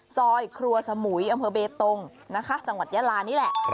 ซอยครัวสมุยอำเภอเบตงนะคะจังหวัดยาลานี่แหละ